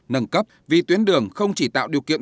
nâng cấp vì tuyến đường không chỉ tạo điều kiện